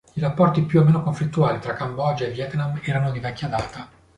I rapporti più o meno conflittuali tra Cambogia e Vietnam erano di vecchia data.